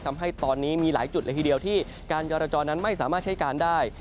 ทำให้ตอนนี้มีหลายจุดเลยทีเดียวที่การจรจรนั้นไม่สามารถใช้การได้